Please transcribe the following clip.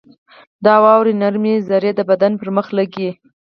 • د واورې نرمې ذرې د بدن پر مخ لګي.